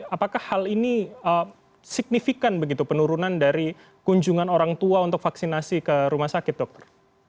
apakah hal ini signifikan begitu penurunan dari kunjungan orang tua untuk vaksinasi ke rumah sakit dokter